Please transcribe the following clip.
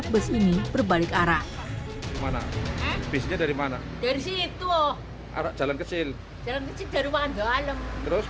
besi ini berbalik arah mana bisnya dari mana dari situ arah jalan kecil kecil dari wangandalem terus